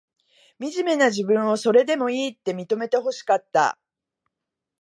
みじめな自分を、それでもいいって、認めてほしかった。